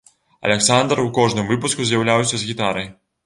Аляксандр у кожным выпуску з'яўляўся з гітарай.